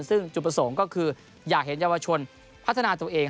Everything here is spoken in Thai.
ซึ่งจุดประสงค์ก็คืออยากเห็นเยาวชนพัฒนาตัวเอง